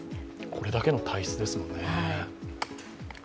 これだけの体質ですもんね。